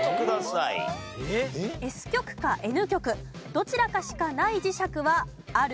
どちらかしかない磁石はある？